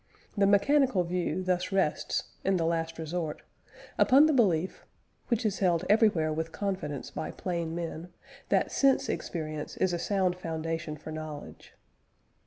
The mechanical view thus rests, in the last resort, upon the belief (which is held everywhere with confidence by plain men) that sense experience is a sound foundation for knowledge.